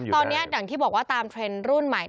ตอนนี้อย่างที่บอกว่าตามเทรนด์รุ่นใหม่